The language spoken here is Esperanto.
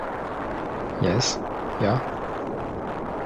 Jes, ja?